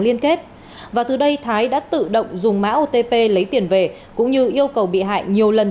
liên kết và từ đây thái đã tự động dùng mã otp lấy tiền về cũng như yêu cầu bị hại nhiều lần